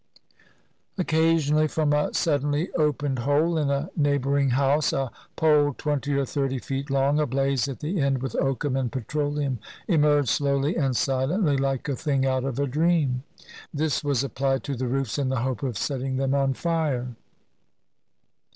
Occasionally, from a suddenly opened hole in a neigh boring house, a pole twenty or thirty feet long, ablaze at the end with oakum and petroleum, emerged slowly and silently, like a thing out of a dream. This was ap plied to the roofs in the hope of setting them on fire.